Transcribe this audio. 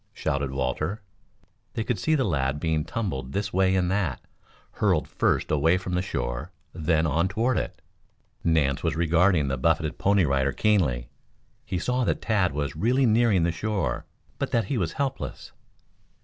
shouted Walter. They could see the lad being tumbled this way and that, hurled first away from the shore, then on toward it. Nance was regarding the buffeted Pony Rider keenly. He saw that Tad was really nearing the shore, but that he was helpless.